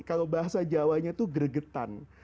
kalau bahasa jawanya itu gregetan